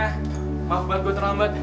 maaf banget gue terlambat